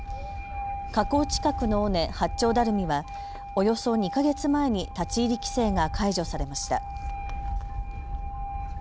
火口近くの尾根、八丁ダルミはおよそ２か月前に立ち入り規制が解除されました。